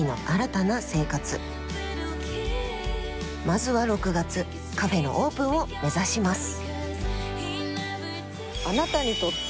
まずは６月カフェのオープンを目指します。